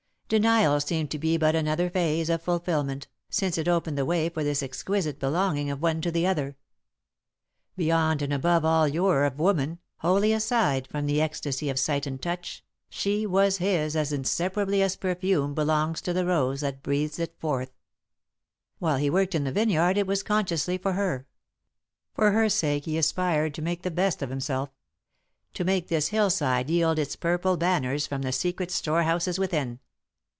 Denial seemed to be but another phase of fulfilment, since it opened the way for this exquisite belonging of one to the other. Beyond and above all lure of woman, wholly aside from the ecstasy of sight and touch, she was his as inseparably as perfume belongs to the rose that breathes it forth. [Sidenote: Toiling in the Vineyard] While he worked in the vineyard it was consciously for her. For her sake he aspired to make the best of himself; to make this hillside yield its purple banners from the secret storehouses within.